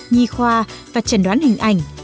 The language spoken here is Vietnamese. nhi khoa và trần đoán hình ảnh